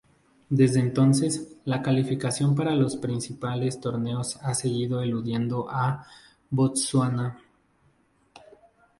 Desde entonces, la calificación para los principales torneos ha seguido eludiendo a Botsuana.